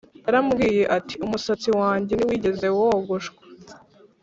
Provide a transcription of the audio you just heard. yaramubwiye ati umusatsi wanjye ntiwigeze wogoshwa